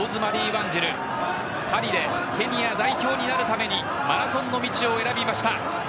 パリでケニア代表になるためにマラソンの道を選びました。